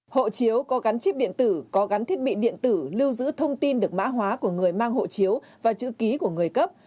hộ chiếu có gắn chip điện tử có gắn thiết bị điện tử lưu giữ thông tin được mã hóa của người mang hộ chiếu và chữ ký của người cấp